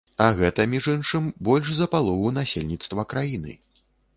А гэта, між іншым, больш за палову насельніцтва краіны.